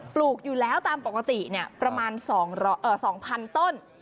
ปลูกอยู่แล้วตามปกติประมาณ๒๐๐๐ต้น